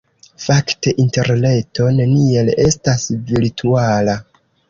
Fakte Interreto neniel estas virtuala.